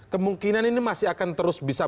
kemungkinan ini masih akan terus bisa